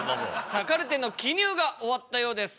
さあカルテの記入が終わったようです。